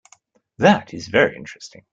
That is very interesting.